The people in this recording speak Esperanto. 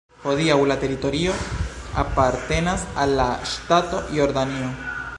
Hodiaŭ la teritorio apartenas al la ŝtato Jordanio.